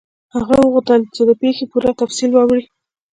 هغه وغوښتل چې د پیښې پوره تفصیل واوري.